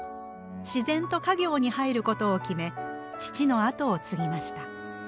自然と家業に入ることを決め父の後を継ぎました。